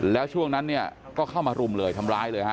แล้วช่วงนั้นเนี่ยก็เข้ามารุมเลยทำร้ายเลยฮะ